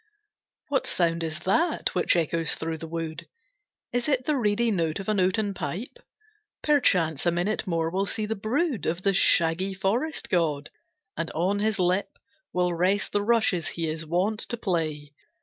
What sound is that which echoes through the wood? Is it the reedy note of an oaten pipe? Perchance a minute more will see the brood Of the shaggy forest god, and on his lip Will rest the rushes he is wont to play.